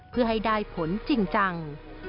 เพื่อให้ได้ผลจริงจัง